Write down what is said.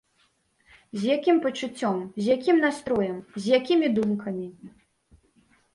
З якім пачуццём, з якім настроем, з якімі думкамі.